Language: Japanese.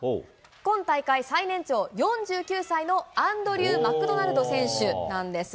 今大会最年長、４９歳のアンドリュー・マクドナルド選手なんです。